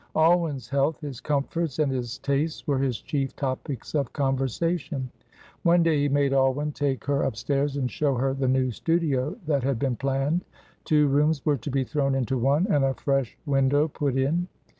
Alwyn's health, his comforts and his tastes were his chief topics of conversation. One day he made Alwyn take her upstairs and show her the new studio that had been planned; two rooms were to be thrown into one, and a fresh window put in.